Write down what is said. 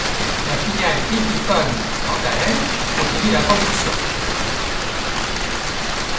La filiale Epiphone, quant à elle, continue la production.